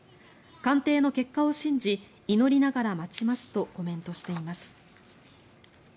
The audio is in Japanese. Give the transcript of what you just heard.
鑑定の結果を信じ祈りながら待ちますとコメントしています。